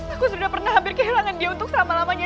aku sudah pernah hampir kehilangan dia untuk selama lamanya